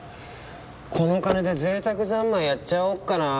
この金で贅沢三昧やっちゃおうかな。